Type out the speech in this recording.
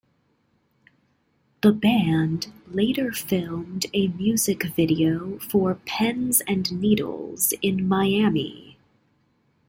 The band later filmed a music video for "Pens and Needles" in Miami.